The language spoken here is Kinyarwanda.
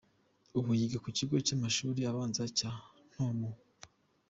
Ubu yiga ku kigo cy’amashuli abanza cya Ntomo.